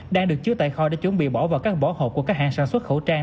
đang được chứa tại kho để chuẩn bị bỏ vào các vỏ hộp của các hãng sản xuất khẩu trang